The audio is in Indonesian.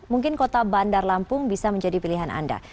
mungkin kota bandar lampung bisa menjadi pilihan anda